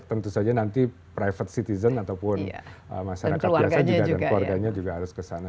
tentu saja nanti private citizen ataupun masyarakat biasa juga dan keluarganya juga harus kesana